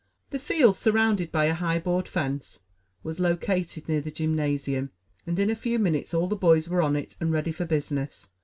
The field, surrounded by a high board fence, was located near the gymnasium, and in a few minutes all the boys were on it and ready for business.